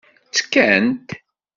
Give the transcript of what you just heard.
Ttekkant.